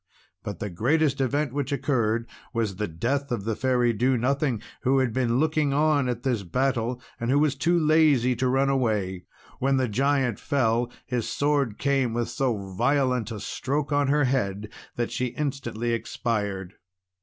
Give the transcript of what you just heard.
But the greatest event which occurred was the death of the Fairy Do Nothing, who had been looking on at this battle, and who was too lazy to run away. When the Giant fell, his sword came with so violent a stroke on her head that she instantly expired.